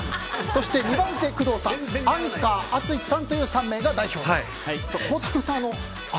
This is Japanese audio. そして２番手に工藤さんアンカー、淳さんという３名が代表です。